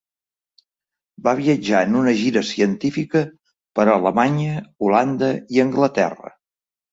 Va viatjar en una gira científica per Alemanya, Holanda i Anglaterra.